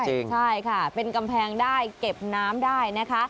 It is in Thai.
ใช่ค่ะเป็นกำแพงได้เก็บน้ำได้นะคะ